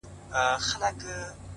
زما د ميني ليونيه’ ستا خبر نه راځي’